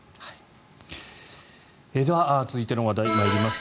では、続いての話題参ります。